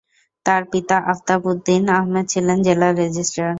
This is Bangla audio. তার পিতা আফতাব উদ্দিন আহমদ ছিলেন জেলা রেজিস্ট্রার।